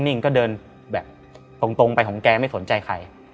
นิ่งก็เดินแบบตรงไปของแกไม่สนใจใคร